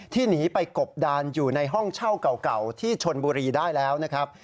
หนีไปกบดานอยู่ในห้องเช่าเก่าที่ชนบุรีได้แล้วนะครับ